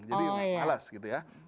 jadi males gitu ya